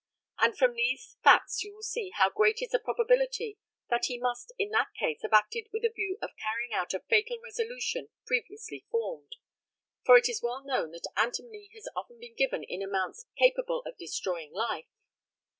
And from these facts you will see how great is the probability that he must, in that case, have acted with the view of carrying out a fatal resolution previously formed; for it is well known that antimony has often been given in amounts capable of destroying life.